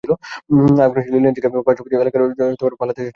আগুনের সেই লেলিহান শিখায় পার্শ্ববর্তী এলাকার জনতা আশ্রয়ের জন্য পালাতে থাকে।